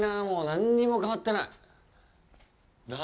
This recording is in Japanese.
何にも変わってない。